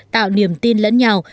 tạo niềm tin lẫn nhau